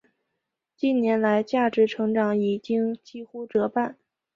近年来价值成长已经几乎折半。